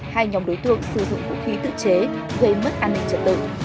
hai nhóm đối tượng sử dụng vũ khí tự chế gây mất an ninh trật tự